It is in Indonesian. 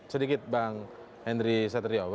sedikit bang henry saterio